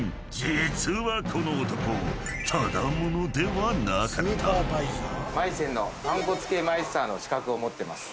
［実はこの男ただ者ではなかった］「まい泉」のパン粉付けマイスターの資格を持ってます。